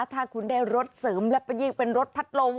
ถ้าคุณได้รถเสริมแล้วไปยิ่งเป็นรถพัดลง